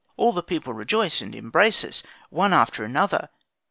All the people rejoice, and embrace us one after another.